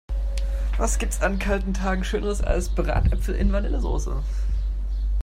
Was gibt es an kalten Tagen schöneres als Bratäpfel in Vanillesoße!